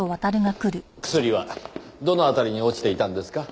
薬はどの辺りに落ちていたんですか？